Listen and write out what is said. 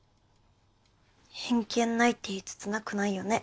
偏見ないって言いつつなくないよね